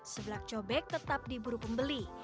seblak cobek tetap diburu pembeli